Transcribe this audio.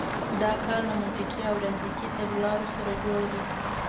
دا کار له منطقي او ریاضیکي تګلارو سره جوړ دی.